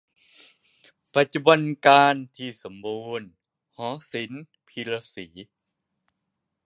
ปัจจุบันกาลที่สมบูรณ์ หอศิลป พีระศรี